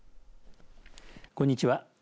こんにちは。